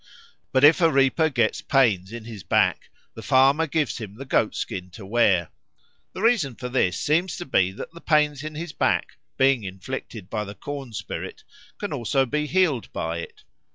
But if a reaper gets pains in his back, the farmer gives him the goat skin to wear. The reason for this seems to be that the pains in the back, being inflicted by the corn spirit, can also be healed by it.